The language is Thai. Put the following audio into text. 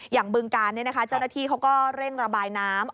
บึงกาลเจ้าหน้าที่เขาก็เร่งระบายน้ำ